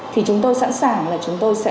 thì chúng tôi sẵn sàng là chúng tôi sẽ